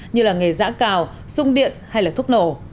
như là nghề giã cào sung điện hay là thuốc nổ